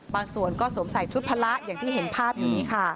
บางส่วนก็สวมใส่ชุดพละอย่างที่เห็นภาพอยู่นี่ค่ะ